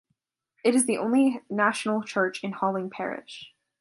It is the only national church in Halling Parish.